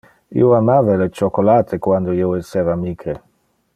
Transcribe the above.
Io amava le chocolate quando io esseva micre.